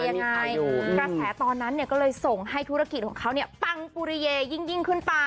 กระแสตอนนั้นก็เลยส่งให้ธุรกิจของเขาปังปุริเยยิ่งขึ้นไป